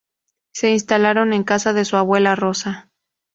Se instalaron en casa de su abuela Rosa.